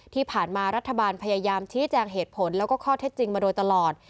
ที่ผ่านมารัฐบาลพยายามชี้แจงเหตุผลแล้วก็ข้อเท็จจริงมาโดยตลอด